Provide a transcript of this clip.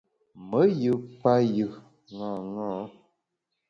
Me yù payù ṅaṅâ.